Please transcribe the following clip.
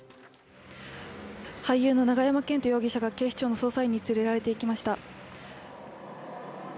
俳優の永山絢斗容疑者が警視庁の捜査員に連れて行かれました。